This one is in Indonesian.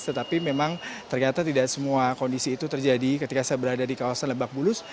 tetapi memang ternyata tidak semua kondisi itu terjadi ketika saya berada di kawasan lebak bulus